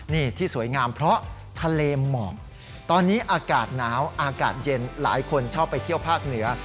นี่ที่สวยงามเพราะทะเลหมอกตอนนี้อากาศหนาวอากาศเย็นหลายคนชอบไปเที่ยวภาคเหนือ